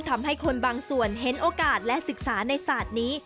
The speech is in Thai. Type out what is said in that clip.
ทำให้คนบางส่วนเห็นโอกาสและศึกษาในศาสตร์นี้